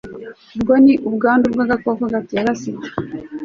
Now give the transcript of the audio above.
ubwo ni ubwandu bw'agakoko gatera sida